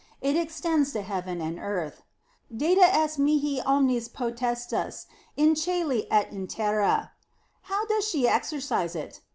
It extends to heaven and earth: Data est mihi omnis potestas in coslo et in terra. How does she exercise it?